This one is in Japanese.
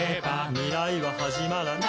「未来ははじまらない」